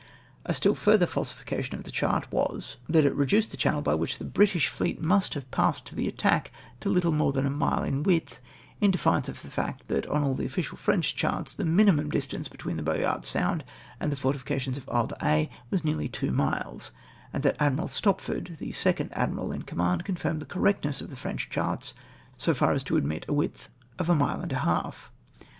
A still further falsification of the chart was, that it reduced the cliannel by which the British fleet must have passed to the attack to little more than a mile in width, in defiance of the fact that on all the official French charts the minimum distance between the Boyart Sand and the fortifications on lie d'Aix w\as nearly two miles, and that Admiral Stopford, the second admiral in command, confirmed the correctness of the French charts so far as to admit a width of a mile and a half.